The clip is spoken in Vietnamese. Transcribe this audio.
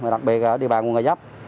đặc biệt ở địa bàn quận ngòi giáp